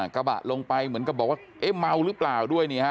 กระบะลงไปเหมือนกับบอกว่าเอ๊ะเมาหรือเปล่าด้วย